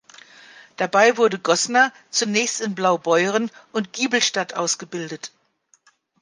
Dabei wurde Gossner zunächst in Blaubeuren und Giebelstadt ausgebildet.